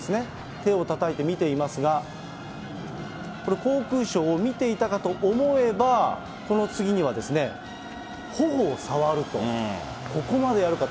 手をたたいて見ていますが、これ航空ショーを見ていたかと思えば、この次には、ほおを触ると、ここまでやるかと。